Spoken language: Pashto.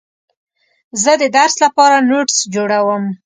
زه د درس لپاره نوټس جوړوم.